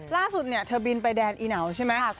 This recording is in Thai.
ล่าสุดเธอบินไปแดนอินาวใช่ไหม